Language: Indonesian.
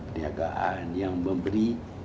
perniagaan yang memberi